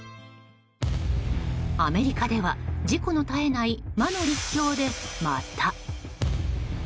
アメリカでは事故の絶えない魔の陸橋でまた。